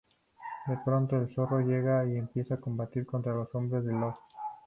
De pronto el Zorro llega y empieza a combatir contra los hombres de Love.